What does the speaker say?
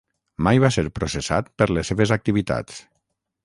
Mai va ser processat per les seves activitats.